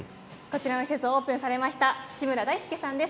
施設をオープンされました千村大輔さんです。